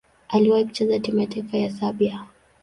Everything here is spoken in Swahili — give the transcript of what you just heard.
Aliwahi kucheza timu ya taifa ya Serbia.